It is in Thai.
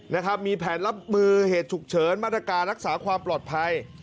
นะครับมีแผนรับมือเหตุฉุกเฉินมาตรการรักษาความปลอดภัย